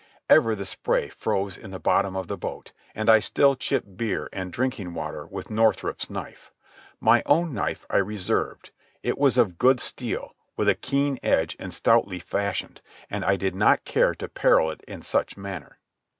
Ever the spray froze in the bottom of the boat, and I still chipped beer and drinking water with Northrup's knife. My own knife I reserved. It was of good steel, with a keen edge and stoutly fashioned, and I did not care to peril it in such manner.